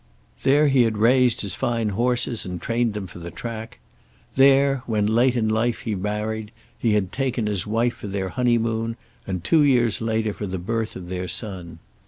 There he had raised his fine horses, and trained them for the track. There, when late in life he married, he had taken his wife for their honeymoon and two years later, for the birth of their son.